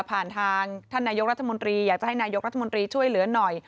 ผ่านทางท่านนายกรัฐมนตรีอยากจะให้นายกรัฐมนตรีช่วยเหลือหน่อย